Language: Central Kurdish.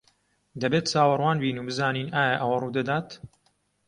دەبێت چاوەڕوان بین و بزانین ئایا ئەوە ڕوودەدات.